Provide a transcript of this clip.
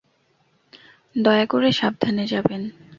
দয়া করে, সাবধানে যাবেন।